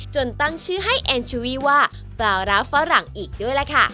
ตั้งชื่อให้แอนชูวีว่าปลาร้าฝรั่งอีกด้วยล่ะค่ะ